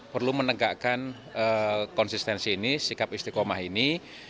perlu menegakkan konsistensi ini sikap istiqomah ini